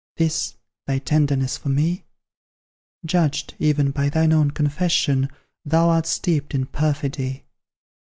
This, thy tenderness for me? Judged, even, by thine own confession, Thou art steeped in perfidy.